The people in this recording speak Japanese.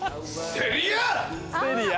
セリア？